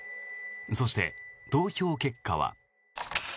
そして、投票結果は。